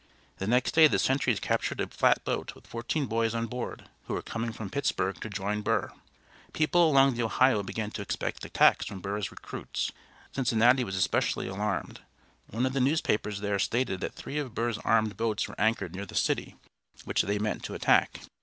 The next day the sentries captured a flatboat with fourteen boys on board, who were coming from Pittsburgh to join Burr. People along the Ohio began to expect attacks from Burr's recruits. Cincinnati was especially alarmed. One of the newspapers there stated that three of Burr's armed boats were anchored near the city, which they meant to attack.